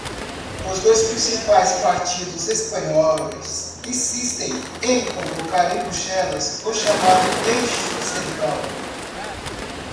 Os dois principais partidos espanhóis insistem em convocar em Bruxelas o chamado eixo central.